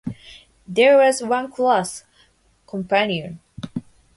There was one class: Companion.